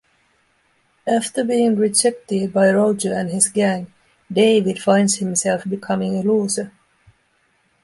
After being rejected by Roger and his gang, David finds himself becoming a loser.